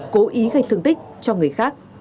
cố ý gây thương tích cho người khác